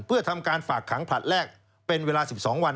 เพื่อทำการฝากขังผลัดแรกเป็นเวลา๑๒วัน